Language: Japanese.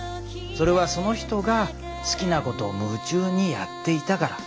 それはその人が好きなことを夢中にやっていたから。